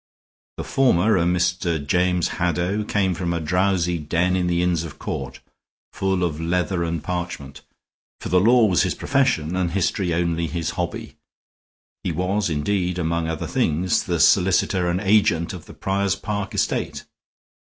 The former, a Mr. James Haddow, came from a drowsy den in the Inns of Court, full of leather and parchment, for the law was his profession and history only his hobby; he was indeed, among other things, the solicitor and agent of the Prior's Park estate.